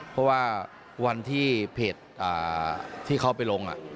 เพราะว่าวันที่เพจที่เขาไปลง